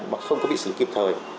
mà không có bị xử lý kịp thời